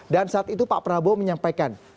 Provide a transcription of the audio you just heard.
dan saat itu pak prabowo menyampaikan